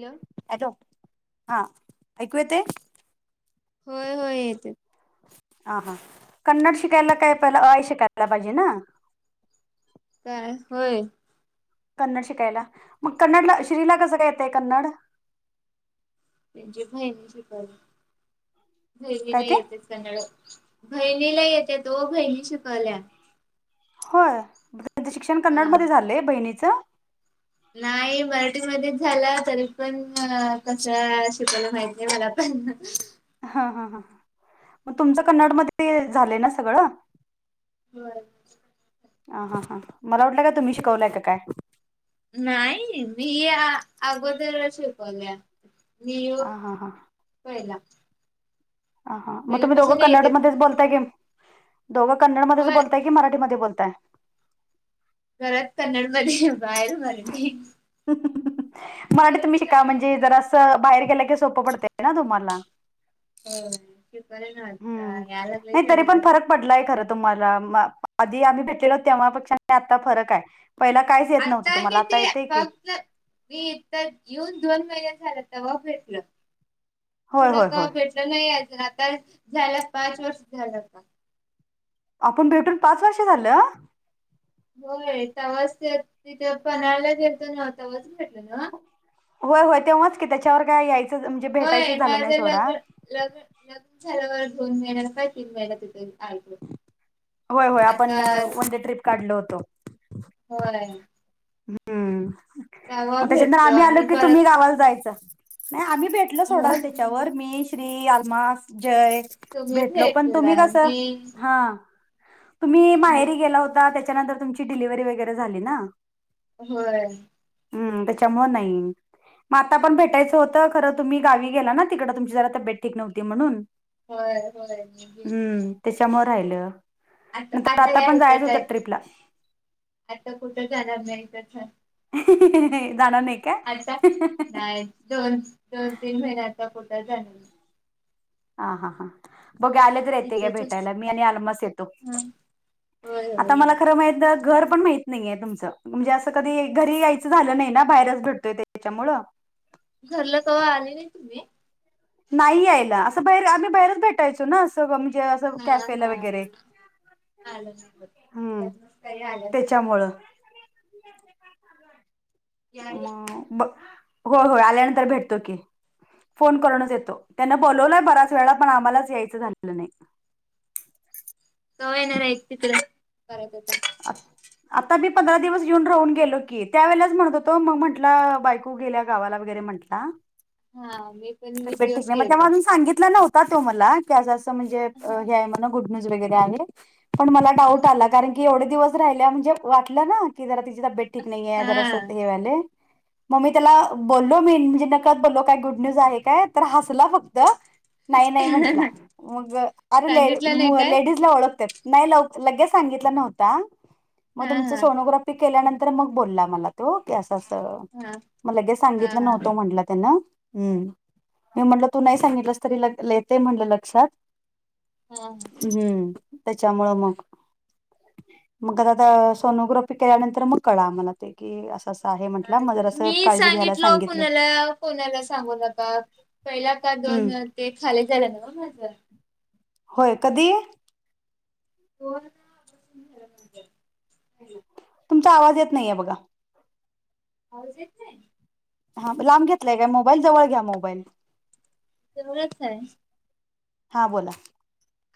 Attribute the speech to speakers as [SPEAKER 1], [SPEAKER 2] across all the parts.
[SPEAKER 1] Hello.
[SPEAKER 2] Hello, हा ऐकू येताय?
[SPEAKER 1] होय होय येते
[SPEAKER 2] ह हा कन्नड शिकायला काय पहिलं अ आ इ शिकायला पाहिजे ना.
[SPEAKER 1] काय होय.
[SPEAKER 2] कन्नड शिकायला मग कन्नडला श्रीला कसं काय येतंय कन्नड.
[SPEAKER 1] म्हणजे बहीण शिकाली बहिणीला
[SPEAKER 2] काय ते
[SPEAKER 1] येतच. बहिणीला येत्यात ओ बहिणी शिकाल्या.
[SPEAKER 2] होय त्यांचं शिक्षण कन्नड
[SPEAKER 1] हा
[SPEAKER 2] मध्ये झालंय बहिणीचं.
[SPEAKER 1] नाही मराठीमध्येच झाला तरी पण कस शिकला माहिती. मला पण.
[SPEAKER 2] हा हा ह मग तुमचं कन्नड मध्ये झालंय ना सगळं.
[SPEAKER 1] होय.
[SPEAKER 2] ह हा हां मला वाटलं का तुम्ही शिकवलाय काय.
[SPEAKER 1] नाही मी अगोदर शिकवल्या.
[SPEAKER 2] हा
[SPEAKER 1] न्यूयर्क
[SPEAKER 2] हा हां
[SPEAKER 1] पहिला
[SPEAKER 2] ह मग तुम्ही दोघं
[SPEAKER 1] पहिल्यापासून येते
[SPEAKER 2] कन्नडमध्येच बोलताय की दोघं कन्नडमध्येच
[SPEAKER 1] होय
[SPEAKER 2] बोलताय की मराठीमध्ये बोलताय.
[SPEAKER 1] घरात कन्नड मध्ये बाहेर मराठी.
[SPEAKER 2] मराठी तुम्ही
[SPEAKER 1] परत
[SPEAKER 2] शिका म्हणजे
[SPEAKER 1] होय
[SPEAKER 2] जर असं बाहेर गेलं की सोपं पडत ना तुम्हाला.
[SPEAKER 1] होय शिकवलं
[SPEAKER 2] हम्म.
[SPEAKER 1] घरात या लागलंय
[SPEAKER 2] नाही तरी
[SPEAKER 1] जरा
[SPEAKER 2] पण
[SPEAKER 1] जरा.
[SPEAKER 2] फरक पडलाय खरं तुम्हाला आधी आम्ही भेटलेलो तेव्हा पेक्षा आता फरक आहे. पहिला काहीच येत नव्हतं तुम्हाला आता
[SPEAKER 1] किती
[SPEAKER 2] येते की.
[SPEAKER 1] फक्त मी इथं येऊन दोन महिने झाले तेव्हा भेटलं.
[SPEAKER 2] होय
[SPEAKER 1] पुढ
[SPEAKER 2] होय होय.
[SPEAKER 1] कवा भेट नाही आता झालं पाच वर्ष झालं आता.
[SPEAKER 2] आपण भेटून पाच वर्षे झालं.
[SPEAKER 1] होय तवाच तिथे पन्हाळाला गेलतो ना तवाच भेटल ना.
[SPEAKER 2] होय होय तेव्हाच की त्याच्यावर काय यायचं म्हणजे भेटायचं
[SPEAKER 1] होय
[SPEAKER 2] झालं नाही
[SPEAKER 1] माझं
[SPEAKER 2] सोडा.
[SPEAKER 1] लग्न लग्न लग्न झाल्यावर दोन महिन्या काय तीन महिन तिथे आई
[SPEAKER 2] होय होय आपण वन डे ट्रीप काढलो होतो.
[SPEAKER 1] होय.
[SPEAKER 2] हम्म.
[SPEAKER 1] तवा
[SPEAKER 2] मग त्याच्यानंतर
[SPEAKER 1] भेटलो
[SPEAKER 2] आम्ही आलो
[SPEAKER 1] आणि
[SPEAKER 2] की तुम्ही
[SPEAKER 1] परत
[SPEAKER 2] गावाला जायचं. नाही आम्ही भेटल
[SPEAKER 1] हो
[SPEAKER 2] सोडा त्याच्यावर मी, श्री, अलमा, जय.
[SPEAKER 1] तुम्ही
[SPEAKER 2] भेटलो पण
[SPEAKER 1] भेटला
[SPEAKER 2] तुम्ही कस
[SPEAKER 1] मी
[SPEAKER 2] हा. तुम्ही
[SPEAKER 1] मी आलो
[SPEAKER 2] माहेरी
[SPEAKER 1] नाही.
[SPEAKER 2] गेला होता त्याच्यानंतर तुमची डिलिव्हरी वगैरे झाली ना.
[SPEAKER 1] होय.
[SPEAKER 2] हम्म त्याच्यामुळ नाही. मातता पण भेटायचं होत खरं तुम्ही गावी गेला ना तिकडे तुमची जरा तब्येत ठीक नव्हती म्हणून.
[SPEAKER 1] होय बि
[SPEAKER 2] हम्म त्याच्यामुळे राहिलं नंतर आता
[SPEAKER 1] या
[SPEAKER 2] पण जायच
[SPEAKER 1] इथंच आहे
[SPEAKER 2] होतं ट्रीपला.
[SPEAKER 1] आता कुठं झाला नाही तर.
[SPEAKER 2] जाणार नाही. का
[SPEAKER 1] आता नाही दोन दोन तीन महिन्याचा कुठं झाले.
[SPEAKER 2] ह हा हां बघ आले. बर येते घ्या
[SPEAKER 1] इथंचच
[SPEAKER 2] भेटायला मी आलमाचं येतो
[SPEAKER 1] हा होय
[SPEAKER 2] आता
[SPEAKER 1] होय या
[SPEAKER 2] मला खरं माहीत न्हई घर पण माहित नाहीये तुमचं म्हणजे असं कधी घरी यायचं झालं नाही ना बाहेरच भटतोय त्याच्यामुळं.
[SPEAKER 1] घरलं कव्हा आली नाही तुम्ही.
[SPEAKER 2] नाही यायला असं बाहेर आम्ही बाहेरच भेटायचो ना अस. सं म्हणजे असं
[SPEAKER 1] हा
[SPEAKER 2] कॅफेला
[SPEAKER 1] हा
[SPEAKER 2] वगैरे हम्म
[SPEAKER 1] [unintelligible]
[SPEAKER 2] त्याच्यामुळं
[SPEAKER 1] या
[SPEAKER 2] म
[SPEAKER 1] रे
[SPEAKER 2] ब हो हो आल्यानंतर भेटतो की फोन करूनच येतो. त्यानं बोलवलंय बराच वेळा पण आम्हालाच यायचं झालं नाही.
[SPEAKER 1] कवा येणार आहेस हिकडं परत एकदा.
[SPEAKER 2] आता मी पंधरा दिवस येेऊन राहून गेलो की त्यावेेळेलाच म्हणत होतो मग म्हटलं बायको गेल्या गावाला वगैरे म्हंटला.
[SPEAKER 1] हा. मी पण वीस
[SPEAKER 2] तब्येत ठीक
[SPEAKER 1] दिवस
[SPEAKER 2] नाही मग
[SPEAKER 1] गेलतो
[SPEAKER 2] त्यामुळ अजून सांगितला नव्हता त्यो मला की असं असं म्हणजे हे
[SPEAKER 1] हा
[SPEAKER 2] हाय म्हणून. म्हण गुड न्युज वैगेरे आहे पण मला
[SPEAKER 1] हा
[SPEAKER 2] डाऊट आला कारण की एवढे दीवस राहिल्या म्हणजे वाटल ना की जरा तिजी तब्येत ठीक नाहीेयाय जरास
[SPEAKER 1] हा
[SPEAKER 2] हे व्हायलय. मम्मी त्याला बोललो मीन म्हणजे नकळत बोललो काय गुड न्यूज आहे काय तर हसला फक्त. नाही नाही म्हंटला मग अरे ले अ
[SPEAKER 1] सांगितलं
[SPEAKER 2] म
[SPEAKER 1] नाही काय
[SPEAKER 2] लेडीज ला ओळखतात. नाही लव लगेच सांगितलं नव्हता मग
[SPEAKER 1] हा
[SPEAKER 2] तुमच
[SPEAKER 1] हा
[SPEAKER 2] सोनोग्राफी केल्यानंतर मग बोलला मला. त्यो की असं असं
[SPEAKER 1] हा
[SPEAKER 2] म लगे
[SPEAKER 1] हा
[SPEAKER 2] सांगितलं
[SPEAKER 1] हा
[SPEAKER 2] नव्हतं म्हंटलं त्यान हम्. मी म्हणल तू नाही सांगितलंस तरी ल येते म्हटलं लक्षात
[SPEAKER 1] हा
[SPEAKER 2] हम्म. त्याच्यामुळ मग मग घरात सोनोग्राफी केल्यानंतर मग कळळ अम्हाला ते की अस -
[SPEAKER 1] ह मी सांगितलो
[SPEAKER 2] सांगितले
[SPEAKER 1] कुणाला कोणाला सांगू नका पहिला का
[SPEAKER 2] हम्म
[SPEAKER 1] दोन ते खाली झालं ना व माझ.
[SPEAKER 2] होय कधी?
[SPEAKER 1] कोर -
[SPEAKER 2] तुमचा आवाज येत नाहीय बघा.
[SPEAKER 1] आवाज येत नई.
[SPEAKER 2] हा लांब घेतलाय काय मोबाईल जवळ घ्या मोबाईल.
[SPEAKER 1] जवळच आय.
[SPEAKER 2] हा बोला.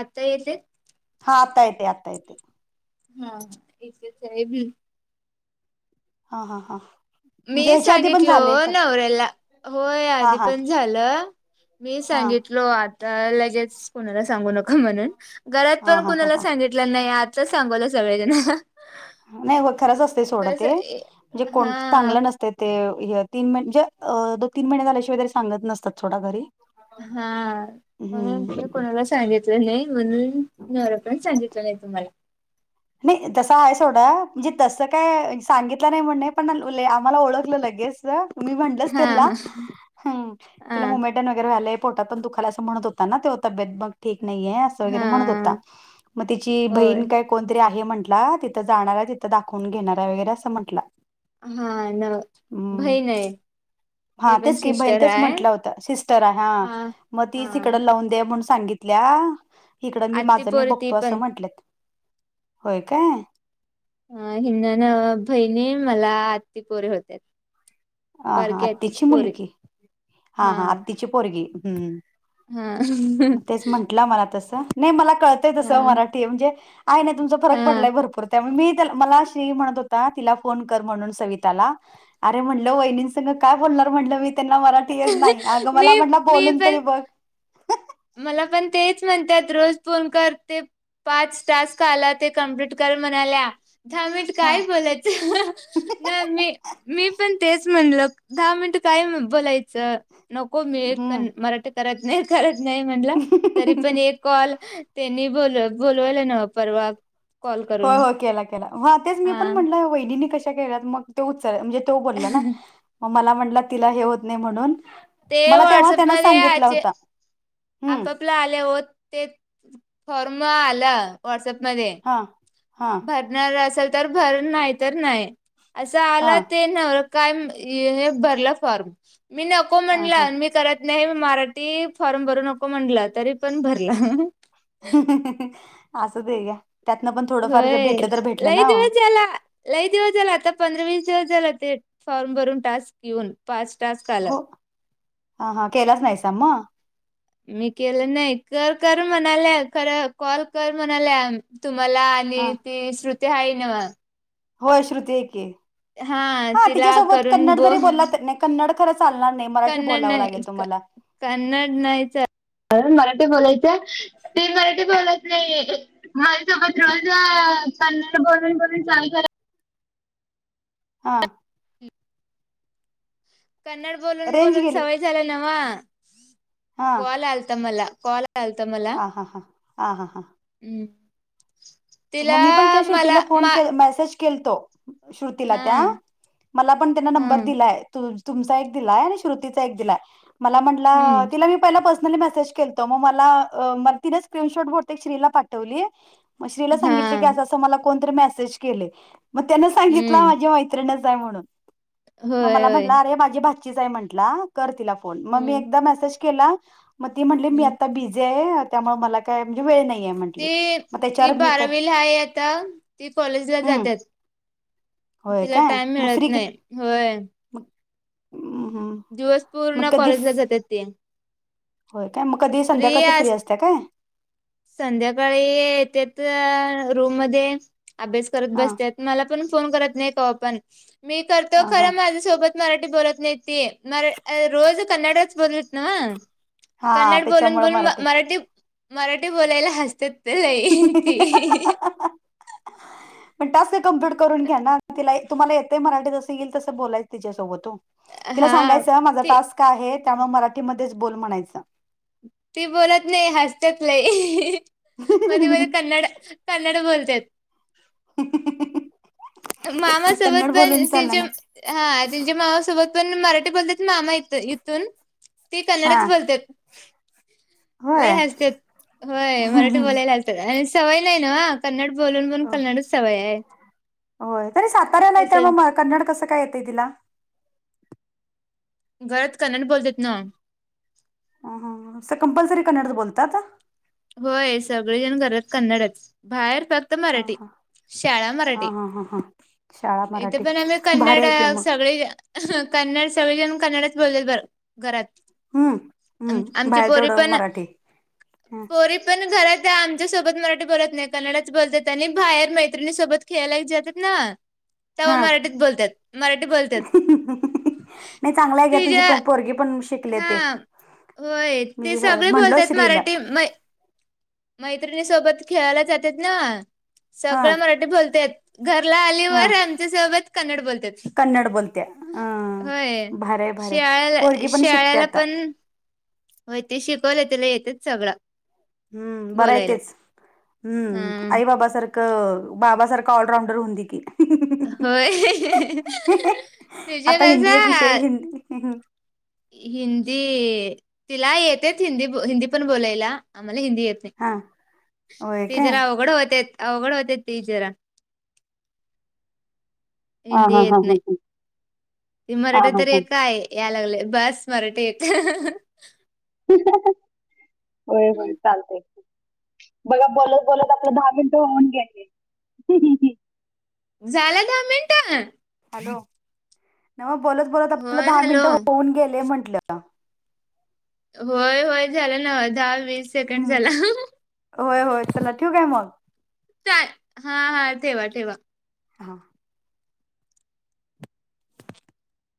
[SPEAKER 1] आता येत्यात.
[SPEAKER 2] हा आत्ता येतय आत्ता येतय.
[SPEAKER 1] हा [unintelligible] हम्म
[SPEAKER 2] हा हा हां.
[SPEAKER 1] मी सांगितल ओ नवरऱ्याला होय
[SPEAKER 2] हा हा
[SPEAKER 1] आधी पण
[SPEAKER 2] हा
[SPEAKER 1] झालं. मी सांगितलो आता लगेच कोणाला सांगू नका म्हणून. घरात
[SPEAKER 2] हा
[SPEAKER 1] पण
[SPEAKER 2] हा हा
[SPEAKER 1] कुणाला
[SPEAKER 2] हा
[SPEAKER 1] सांगितलं नाही आताच सांगवलं सगळेजणा.
[SPEAKER 2] नाही ओ खरंच असतय सोडा ते म्हणजे कोण
[SPEAKER 1] हा
[SPEAKER 2] चांगलं नसतय ते. ते हे तीन म म्हणजे दो तीन महिने झाल्या शिवाय वगैरे सांगत नसतात सोडा घरी.
[SPEAKER 1] हा म्हणून
[SPEAKER 2] हम्म
[SPEAKER 1] मी कोणाला सांगित - तलो नाही म्हणून नवरा पण सांगितला नाही तुम्हाला.
[SPEAKER 2] नाही तसं आहे सोडा म्हणजे तसं काय सांगितलं नाही म्हणणे पण आम्हाला ओळखलं लगेच. मी म्हटल
[SPEAKER 1] हा
[SPEAKER 2] त्याला
[SPEAKER 1] हा
[SPEAKER 2] तिला
[SPEAKER 1] हा
[SPEAKER 2] मुई मेट वगैरे व्हायलय पोटात पण दुखाला असं म्हत होता ना तेव तब्येत मग ठीक नाही याय. य वगैरे म्हणत होता
[SPEAKER 1] हा
[SPEAKER 2] मग तची
[SPEAKER 1] होय
[SPEAKER 2] बहीण काय कोणतरी आहे म्हंटला तिथं जाणार आहे तिथं दाखवून घेणार आहे वगैरे असं म्हटला.
[SPEAKER 1] हा न
[SPEAKER 2] हम्म
[SPEAKER 1] बहीणाय.
[SPEAKER 2] हा तेच की बहिण तेच म्हटलं होत सिस्टर आहे हा मग ती तिच तिकड लावून द्या म्हणून सां सांगितल्या इकडं मी
[SPEAKER 1] आत्ती
[SPEAKER 2] माझं मी
[SPEAKER 1] पोरी ती
[SPEAKER 2] बघतो असं
[SPEAKER 1] पण
[SPEAKER 2] म्हंटलत होय काय
[SPEAKER 1] अ हिनन बहिणी मला आत्ती पोरे होत्या [unintelligible]
[SPEAKER 2] हा हा
[SPEAKER 1] बारकी
[SPEAKER 2] आत्तीची
[SPEAKER 1] पोरी
[SPEAKER 2] मुलगी हा हा आत्तीची पोरगी हम् [unintelligible]
[SPEAKER 1] हा [unintelligible]
[SPEAKER 2] मला तस नाही मला कळतंय तस
[SPEAKER 1] हा
[SPEAKER 2] मराठी म्हणजे आहे नाही तुमचा फरक
[SPEAKER 1] हा
[SPEAKER 2] पडलाय भरपूर त्यामुळे मी- मला श्री म्हणत होता तिला फोन कर म्हणून सविताला अरे म्ह [unintelligible] ल वहिनीं संग काय बोलणार म्हटलं मी त्यांना मराठी येत नाही अगं
[SPEAKER 1] मी
[SPEAKER 2] मला म्हट
[SPEAKER 1] मी
[SPEAKER 2] बोलून तरी
[SPEAKER 1] पण
[SPEAKER 2] बघ- [unintelligible]
[SPEAKER 1] मला पण तेच म्हणतात रोज फोन करते [unintelligible] पाच तास आला ते कमप्लीट कर म्हणाल्या दहा मिट काय बोलाय [unintelligible]
[SPEAKER 2] ह [unintelligible]
[SPEAKER 1] नाही मी मी पण तेच म्हणल दहा मिनट काय बोलायचं. [unintelligible] नको मिळे
[SPEAKER 2] हम्म
[SPEAKER 1] मराठी करत नाही करत नाही म्हणलं तरी पण एक कॉल- [unintelligible] त्यांनी बोल बोलवलं न परवा [unintelligible]
[SPEAKER 2] हो
[SPEAKER 1] करून
[SPEAKER 2] हो केला केला आताच मी
[SPEAKER 1] हा
[SPEAKER 2] पण म्हटलं वैदिनी कशा केल्यात मग [unintelligible] तो उच म्हणजे तो बोलला ना म मला म्हटला तिला हे होत नाही म्हणून [unintelligible]
[SPEAKER 1] ते
[SPEAKER 2] मला तेव्हा
[SPEAKER 1] व्हॉट्सअप
[SPEAKER 2] त्यान
[SPEAKER 1] मध्ये
[SPEAKER 2] सांगितला
[SPEAKER 1] आचे
[SPEAKER 2] होता हम् [unintelligible]
[SPEAKER 1] आपापला आले हो ते फॉर्म आला [unintelligible] व्हॉट्सअप मध्ये
[SPEAKER 2] हा हा
[SPEAKER 1] भरणार असेल तर भर नाही तर नाही [unintelligible] असं
[SPEAKER 2] हा
[SPEAKER 1] आला ते न काय भरला फॉर्म मी नक- [unintelligible] नको
[SPEAKER 2] हा हा
[SPEAKER 1] म्हणला मी करत नाही मराठी फॉर्म भरू नको म्हणला तरी पण भरला. [unintelligible]
[SPEAKER 2] अस असत ह का [unintelligible] त्यातना पण [unintelligible]
[SPEAKER 1] होय
[SPEAKER 2] भेटलं तर भेटलं
[SPEAKER 1] लय
[SPEAKER 2] ना हो
[SPEAKER 1] जव चला [unintelligible] लई दिवस झाला आता पंधरा वीस दिवस झाला ते फॉर्म भरून टास्क घेऊन पाच टास्क आलात.
[SPEAKER 2] हो. हा हा केलाच नाहीसम [unintelligible]
[SPEAKER 1] मी केलं नाही कर कर म्हणाल्या खरं कॉल कर म्हणाल्या तुम्हाला
[SPEAKER 2] हा
[SPEAKER 1] ती श्रुती हाय ना [unintelligible]
[SPEAKER 2] होय श्रुती एके [unintelligible] हा
[SPEAKER 1] तिला
[SPEAKER 2] तिच्यासोबत
[SPEAKER 1] करून
[SPEAKER 2] कन्नड जरी
[SPEAKER 1] बोल
[SPEAKER 2] बोलला नाही कन्नड खरं चालणार नाही मराठी
[SPEAKER 1] कन्नड
[SPEAKER 2] बोलावं लागेल
[SPEAKER 1] नाही
[SPEAKER 2] तुम्हाला
[SPEAKER 1] कन्नड नाहीच मराठी बोलायचं ते मराठी बोलात नाही. हा सोबत रोज पन् बोलून बोलून चाल [unintelligible]
[SPEAKER 2] हा [unintelligible]
[SPEAKER 1] हम [unintelligible] कन्नड बोलून
[SPEAKER 2] रेंज
[SPEAKER 1] बोलून
[SPEAKER 2] गेली
[SPEAKER 1] सवय झाल नावा
[SPEAKER 2] हा
[SPEAKER 1] कल आलता मला कॉल चालत मला
[SPEAKER 2] हा हा हा हा हा
[SPEAKER 1] हम् [unintelligible]
[SPEAKER 2] मम्मी पणच्या श्रुतीला फोन
[SPEAKER 1] मा
[SPEAKER 2] मेसेज [unintelligible] श्रतीला
[SPEAKER 1] हा
[SPEAKER 2] त्या मला पण त्यां
[SPEAKER 1] हा
[SPEAKER 2] नंर दिलाय [unintelligible] तुमचा एक दिलाय आणि श्रुतीचा एक दिलाय मला म्हंटलं
[SPEAKER 1] हम्म
[SPEAKER 2] तिला मी [unintelligible] पर्ली म म मला तिनशट पाठवली [unintelligible] म स मा [unintelligible]
[SPEAKER 1] हा हम्म
[SPEAKER 2] म्हण म
[SPEAKER 1] होय
[SPEAKER 2] म म्हट
[SPEAKER 1] होय
[SPEAKER 2] अरे माझी भा म्हट ति [unintelligible] ग मी
[SPEAKER 1] हम्म
[SPEAKER 2] एक म म म्ह मी आ
[SPEAKER 1] हम्म
[SPEAKER 2] ब [unintelligible] त्यामुळे मला काय म्हणजे वेळ नाही आहे म्ह [unintelligible]
[SPEAKER 1] ती ती बारावीला हाय आता ती कॉलेजला
[SPEAKER 2] हम्म
[SPEAKER 1] जातात. [unintelligible] तिला टाइम मिळत नाही होय, [unintelligible]
[SPEAKER 2] मम् हम्म [unintelligible]
[SPEAKER 1] दिवस
[SPEAKER 2] मग
[SPEAKER 1] पूर्ण
[SPEAKER 2] कधी
[SPEAKER 1] कॉलेजला जातात ते [unintelligible]
[SPEAKER 2] होय काय मग कधी संध्याकाळच फ्री
[SPEAKER 1] अस
[SPEAKER 2] असते काय [unintelligible]
[SPEAKER 1] संध्याकाळी येतेत रूम मध्ये अभ्यास करत
[SPEAKER 2] हा
[SPEAKER 1] बसतात [unintelligible] मला पण फोन करत नाही का पण मी करतो
[SPEAKER 2] ह
[SPEAKER 1] खर
[SPEAKER 2] हा
[SPEAKER 1] माझ्यासोबत मराठी बोलत नाही [unintelligible] ते मर रोज कनडच बोललीत नव्ह
[SPEAKER 2] हा
[SPEAKER 1] कन्नड बोलून,
[SPEAKER 2] त्याच्यामुळं
[SPEAKER 1] बोलून मराठी मराठी बोलायला हसतात ती लई ती
[SPEAKER 2] पण टास्क कम्प्लीट करून घ्या ना तिला तुम्हाला येतेय मराठी जसं येईल तस बोलायचं तिच्यासोबत ओ तिला
[SPEAKER 1] हा
[SPEAKER 2] सांगायचं माझा
[SPEAKER 1] ती
[SPEAKER 2] टास्क आहे त्यामुळे मराठीमध्येच बोल म्हणायचं
[SPEAKER 1] ती बोलत नाही हसतेच लई मध्ये, मध्ये कन्नड कन्नड बोलत्यात.
[SPEAKER 2] [inaudible]
[SPEAKER 1] मामासोबत
[SPEAKER 2] कन्नड बोलून
[SPEAKER 1] पण
[SPEAKER 2] चालणार
[SPEAKER 1] त्यांच्या
[SPEAKER 2] नाही
[SPEAKER 1] हा त्यांच्या मामासोबत पण मराठी बोलतात मामा इथ इथून ती
[SPEAKER 2] हा
[SPEAKER 1] कन्नडच बोलत्यात. लय
[SPEAKER 2] होय
[SPEAKER 1] हसत्यात होय मराठी बोलायला हसत्यात आणि सवय नाही नव्ह कन्नड बोलून बोलून कन्नड सवय हाय.
[SPEAKER 2] होय तरी साताऱ्याला इथं हाय त्यामुळे मग कन्नड कसं काय येतंय तिला?
[SPEAKER 1] घरात कन्नड बोलतात नव्ह
[SPEAKER 2] असं कंपल्सरी कन्नड बोलतात?
[SPEAKER 1] होय सगळेजण घरात कन्नडच बाहेर फक्त
[SPEAKER 2] हा
[SPEAKER 1] मराठी
[SPEAKER 2] हा
[SPEAKER 1] शाळा
[SPEAKER 2] हा
[SPEAKER 1] मराठी
[SPEAKER 2] हा हा हा शाळा
[SPEAKER 1] इथ
[SPEAKER 2] मराठी
[SPEAKER 1] पण आम्ही
[SPEAKER 2] भारी
[SPEAKER 1] कन्नड
[SPEAKER 2] आहे की मग
[SPEAKER 1] सगळी कन्नड सगळेजण कन्नडच बोलतेत बर घरात
[SPEAKER 2] हम्म हम्म
[SPEAKER 1] आमची
[SPEAKER 2] बाहेर
[SPEAKER 1] पोरी
[SPEAKER 2] तेवढं
[SPEAKER 1] पण
[SPEAKER 2] मराठी ह
[SPEAKER 1] पोरी पण घरात आमच्यासोबत मराठी बोलत नाही कन्नडच बोलतात आणि बाहेर मैत्रिणीसोबत खेळालायच जातात ना,
[SPEAKER 2] [inaudible]
[SPEAKER 1] तवा मराठीत बोलत्यात मराठी बोलत्यात,
[SPEAKER 2] ह नाही चांगला हाय घ्या तुझीे पण पोरगी पण शिक ले
[SPEAKER 1] हा
[SPEAKER 2] ते
[SPEAKER 1] होय
[SPEAKER 2] मी
[SPEAKER 1] ते
[SPEAKER 2] जरा
[SPEAKER 1] सगळे
[SPEAKER 2] म्हणलो
[SPEAKER 1] बोलतात
[SPEAKER 2] श्रीला
[SPEAKER 1] मराठी मै मैत्रिणी सोबत खेळायला जातात ना
[SPEAKER 2] हा
[SPEAKER 1] सगळं मराठी बोलतेत घरला
[SPEAKER 2] हा
[SPEAKER 1] आलीवर आमच्या सोबत कन्नड बोलतात
[SPEAKER 2] कन्नड बोलत्या अ
[SPEAKER 1] होय,
[SPEAKER 2] भारी आहे भारी आहे
[SPEAKER 1] शाळला,
[SPEAKER 2] पोरगी पण शिकते
[SPEAKER 1] शाळला
[SPEAKER 2] आता
[SPEAKER 1] पण हो ते शिकवले तिला येतेच सगळं
[SPEAKER 2] हम्म बराय
[SPEAKER 1] बोलायला
[SPEAKER 2] तेच
[SPEAKER 1] हा
[SPEAKER 2] हम्म आई बाब सारखं बाबा सारख ऑलराउंडर होऊ दे की,
[SPEAKER 1] होय, तिज सारखं.
[SPEAKER 2] ह हा
[SPEAKER 1] हिंदी, तिला येतेच हिंदी, हिंदी पण बोलायला आम्हाला हिंदी येत
[SPEAKER 2] हा होय
[SPEAKER 1] ते,
[SPEAKER 2] काय
[SPEAKER 1] जरा अवघड होतेत अवघड होतेत ती जरा
[SPEAKER 2] हा
[SPEAKER 1] हिंदी
[SPEAKER 2] हा हा
[SPEAKER 1] येत
[SPEAKER 2] हां
[SPEAKER 1] नाही
[SPEAKER 2] हां
[SPEAKER 1] ती मराठ तर एक हाय याय लागलय बास मराठी एक
[SPEAKER 2] होय, होय चालतय बघा बोलत बोलत आपलं दहा मिनिटं होऊन गेले
[SPEAKER 1] झाला दहा मिनट
[SPEAKER 2] हॅलो, नव्ह बोलत, बोलत आपला
[SPEAKER 1] होय
[SPEAKER 2] दहा
[SPEAKER 1] हॅलो
[SPEAKER 2] मिनिटं होऊन गेले म्हंटलं
[SPEAKER 1] होय, होय झालं न दहा वीस सेकंड
[SPEAKER 2] हम्म
[SPEAKER 1] झाल
[SPEAKER 2] होय, होय चला ठेऊ कां मग?
[SPEAKER 1] चा, हा हा ठेवा ठेवा
[SPEAKER 2] हां